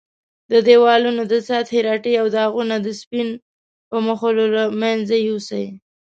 د دېوالونو د سطحې رټې او داغونه د سپین په مښلو له منځه یوسئ.